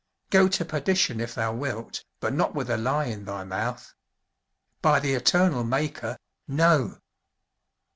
Go to perdition if thou wilt, but not with a lie in thy mouth by the Eternal Maker, No!!"